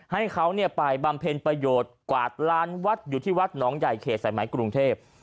ให้เขาไปบำเพ็ญประโยชน์กวาดล้านวัดอยู่ที่วัดหนองใหญ่เขตสายไหมกรุงเทพ